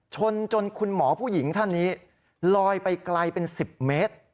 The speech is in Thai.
ชนจนคุณหมอผู้หญิงท่านนี้ลอยไปไกลเป็น๑๐เมตร